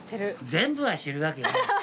全部は知るわけない。